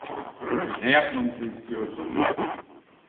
Ne yapmamızı istiyorsun?